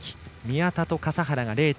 宮田と笠原が０．１３４。